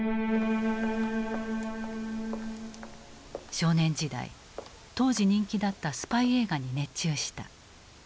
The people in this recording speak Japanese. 少年時代当時人気だったスパイ映画に熱中した。